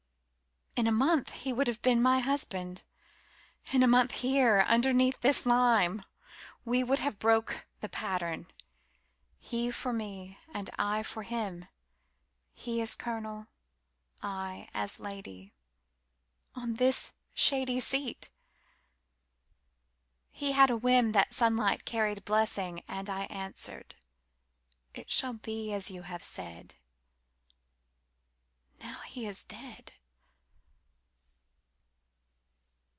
In a month he would have been my husband.In a month, here, underneath this lime, We would have broke the pattern; He for me, and I for him, He as Colonel, I as Lady, On this shady seat. He had a whimThat sunlight carried blessing. And I answered, "It shall be as you have said."Now he is dead.